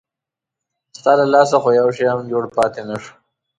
ستا له لاسه خو یو شی هم جوړ پاتې نه شو.